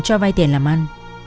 cho vai tiền làm ăn